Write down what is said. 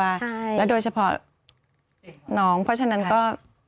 ใช่แล้วโดยเฉพาะน้องเพราะฉะนั้นก็